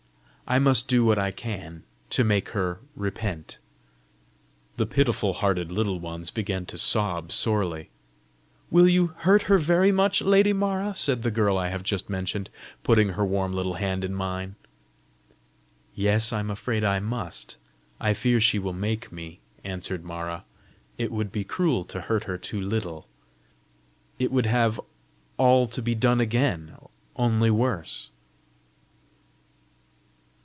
I must do what I can to make her repent!" The pitiful hearted Little Ones began to sob sorely. "Will you hurt her very much, lady Mara?" said the girl I have just mentioned, putting her warm little hand in mine. "Yes; I am afraid I must; I fear she will make me!" answered Mara. "It would be cruel to hurt her too little. It would have all to be done again, only worse."